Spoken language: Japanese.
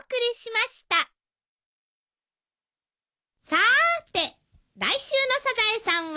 さーて来週の『サザエさん』は？